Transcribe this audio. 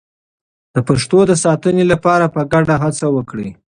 د پښتو د ساتنې لپاره په ګډه هڅه وکړئ.